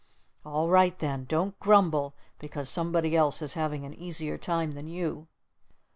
"All right, then! Don't grumble because somebody else is having an easier time than you."